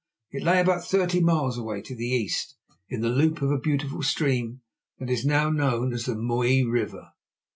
It lay about thirty miles away to the east, in the loop of a beautiful stream that is now known as the Mooi River.